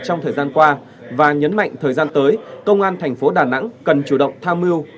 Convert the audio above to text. trong thời gian qua và nhấn mạnh thời gian tới công an thành phố đà nẵng cần chủ động tham mưu